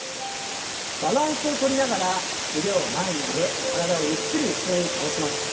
バランスをとりながら腕を前に上げ体をゆっくり後ろに倒します。